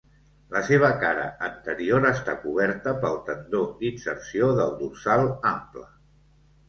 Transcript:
La seva cara anterior està coberta pel tendó d'inserció del dorsal ample.